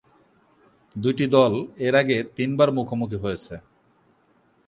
দুইটি দল এর আগে তিনবার মুখোমুখি হয়েছে।